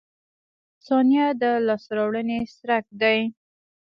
• ثانیه د لاسته راوړنې څرک دی.